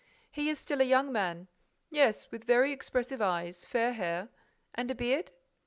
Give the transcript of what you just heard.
"He is still a young man—" "Yes, with very expressive eyes, fair hair—" "And a beard?"